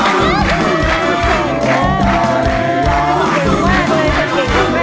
รู้สึกไว้หรือไม่รู้สึกไว้